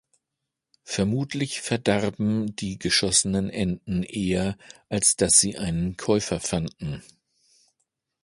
Vermutlich verdarben die geschossenen Enten eher, als dass sie einen Käufer fanden.